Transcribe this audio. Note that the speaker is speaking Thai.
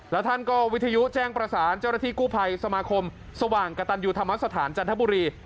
แล้วท่านก็วิทยุแจ้งประสานเจ้าหน้าที่กู้ภัยสมาคมสว่างกระตันยูธรรมสถานจันทบุรี